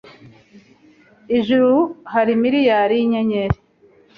Ijuru hari miliyari yinyenyeri.